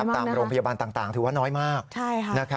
ตามโรงพยาบาลต่างถือว่าน้อยมาก